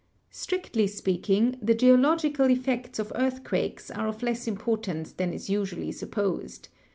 Strictly speaking, the geological effects of earthquakes are of less importance than is usually supposed.